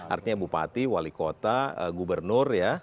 artinya bupati wali kota gubernur ya